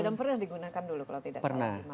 dan pernah digunakan dulu kalau tidak salah